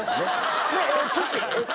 で土。